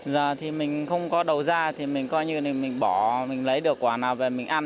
giờ thì mình không có đầu ra thì mình coi như thì mình bỏ mình lấy được quả nào về mình ăn